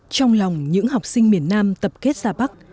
trong lòng những học sinh miền nam tập kết ra bắc